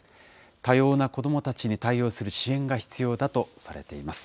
多様な子どもたちに対応する支援が必要だとされています。